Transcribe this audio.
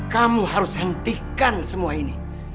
kamu harus hentikan semua ini